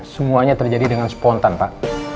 semuanya terjadi dengan spontan pak